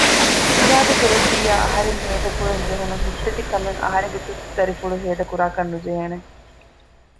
އިރާދަކުރެއްވިއްޔާ އަހަރެން ހޭދަ ކުރަން ޖެހުނު ހިއްތަދިކަމެއް އަހަރެންގެ ތުއްތު ދަރިފުޅު ހޭދަ ކުރާކަށް ނުޖެހޭނެ